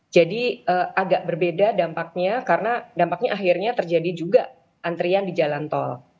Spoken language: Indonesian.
jadi agak berbeda dampaknya karena dampaknya akhirnya terjadi juga antrian di jalan tol